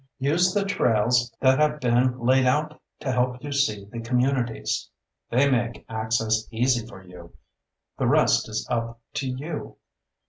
Use the trails that have been laid out to help you see the communities. They make access easy for you; the rest is up to you.